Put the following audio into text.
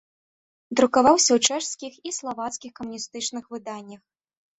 Друкаваўся ў чэшскіх і славацкіх камуністычных выданнях.